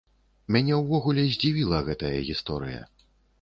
Мяне ўвогуле здзівіла гэтая гісторыя.